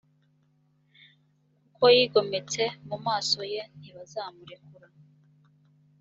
kuko bigometse mu maso ye ntibazamurekura